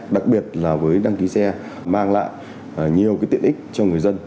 đặc biệt là với đăng ký xe mang lại nhiều tiện ích cho người dân